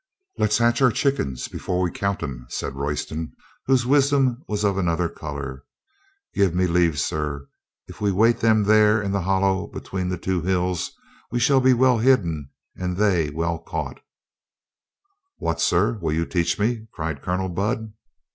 "Let's hatch our chickens before we count 'em," said Royston, whose wisdom was of another color. 246 COLONEL GREATHEART "Give me leave, sir; if we wait them there in the hollow between the two hills we shall be well hidden and they well caught," "What, sir, will you teach me?" cried Colonel Budd.